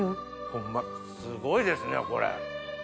ホンマすごいですねこれ。